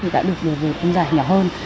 đã được vừa vừa phân giải nhỏ hơn